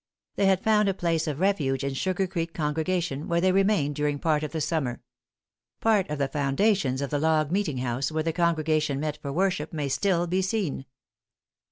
They had found a place of refuge in Sugar Creek congregation, where they remained during part of the summer. Part of the foundations of the log meeting house where the congregation met for worship may still be seen.